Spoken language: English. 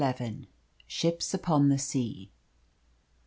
SHIPS UPON THE SEA.